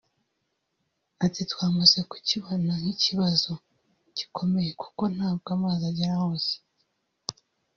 Ati “Twamaze kukibona nk’ikibazo gikomeye kuko ntabwo amazi agera hose